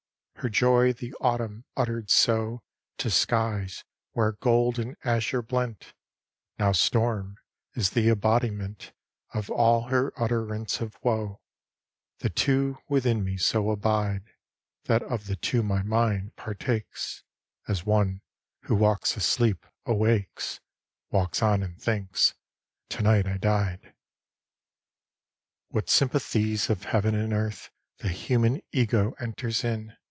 Her joy the Autumn uttered so To skies where gold and azure blent; Now storm is the embodiment Of all her utterance of woe: The two within me so abide, That of the two my mind partakes, As one, who walks asleep, awakes, Walks on and thinks, "To night I died." XXXII What sympathies of Heaven and Earth The human ego enters in!